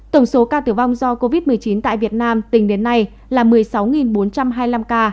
tổng số ca tử vong do covid một mươi chín tại việt nam tính đến nay là một mươi sáu bốn trăm hai mươi năm ca